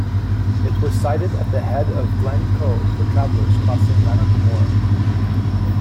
It was sited at the head of Glen Coe for travelers crossing Rannoch Moor.